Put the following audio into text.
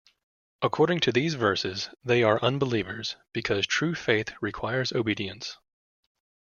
According to these verses, they are unbelievers; because true faith requires obedience.